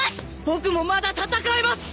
僕もまだ戦えます！